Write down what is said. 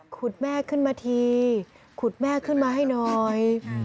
คุณแม่ขึ้นมาทีขุดแม่ขึ้นมาให้หน่อย